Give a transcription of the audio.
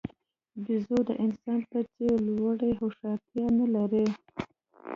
بیزو د انسانانو په څېر لوړې هوښیارتیا نه لري.